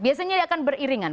biasanya akan beriringan